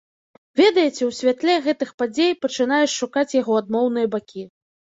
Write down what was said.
Ведаеце, у святле гэтых падзей пачынаеш шукаць яго адмоўныя бакі.